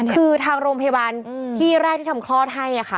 คือทางโรงพยาบาลที่แรกที่ทำคลอดให้ค่ะ